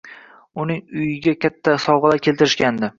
Uning uyiga katta sovg`a keltirishgandi